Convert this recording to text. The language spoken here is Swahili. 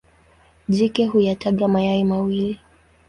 Jike huyataga mayai mawili.